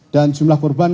dan jumlah korban